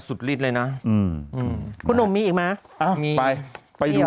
สุดฤทธิ์เลยนะอืมอืมคุณเาน์มีอีกไหมอ๋อมีีไปไปดู